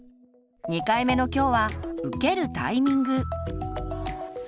２回目の今日は「受けるタイミング」。